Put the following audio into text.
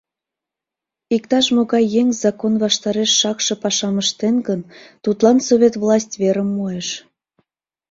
Иктаж-могай еҥ закон ваштареш шакше пашам ыштен гын, тудлан совет власть верым муэш.